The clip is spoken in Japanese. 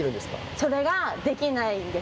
それができないんです。